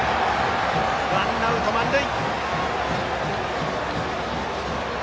ワンアウト満塁。